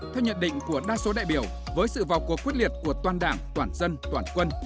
theo nhận định của đa số đại biểu với sự vào cuộc quyết liệt của toàn đảng toàn dân toàn quân